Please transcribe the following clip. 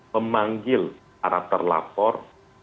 memanggil para terlapor